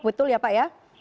betul ya pak ya